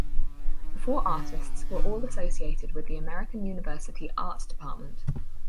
The four artists were all associated with the American University art department.